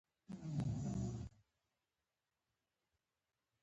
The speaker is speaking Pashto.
ولس د پوهانو او فیلسوفانو کتابونه نه دي لوستي